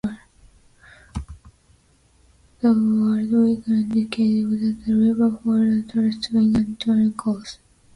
Their word Wreake indicated that the river followed a tortuous, twisting and turning course.